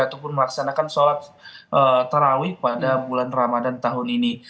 atau bahkan sholat terawih pada bulan ramadhan tahun ini